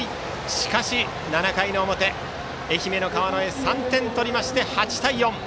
しかし７回の表愛媛の川之江、３点取りまして８対４。